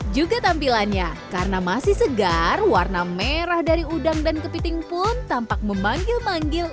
juga tampilannya karena masih segar warna merah dari udang dan kepiting pun tampak memanggil manggil